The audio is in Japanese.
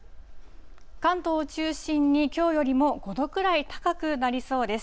関東を中心にきょうよりも５度くらい高くなりそうです。